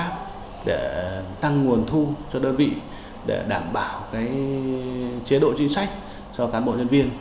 giải pháp để tăng nguồn thu cho đơn vị để đảm bảo chế độ chính sách cho cán bộ nhân viên